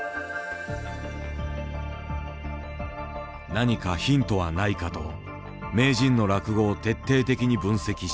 何かヒントはないかと名人の落語を徹底的に分析した。